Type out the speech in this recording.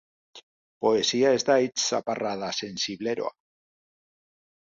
Poesia ez da hitz zaparrada sensibleroa.